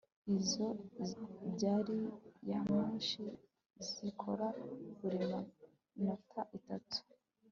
Izo gari ya moshi zikora buri minota itatu